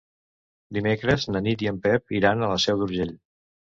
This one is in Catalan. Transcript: Dimecres na Nit i en Pep iran a la Seu d'Urgell.